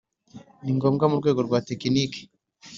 ni ngombwa mu rwego rwa tekiniki